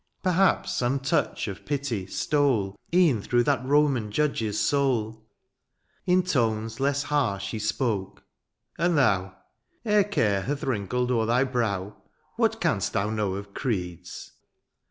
Perhaps some touch of pity stole E^en through that Roman judge^s souL In tones less harsh he spoke^ — "And thou^ " Ere care hath wrinkled o^er thy brow, " What canst thou know of creeds